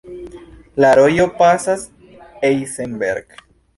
La rojo pasas Eisenberg.